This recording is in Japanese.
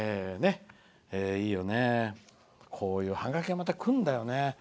いいよね、こういうハガキがまたくるんだよね。